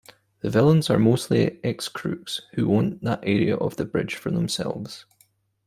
The villains are mostly ex-crooks who wants that area of the bridge for themselves.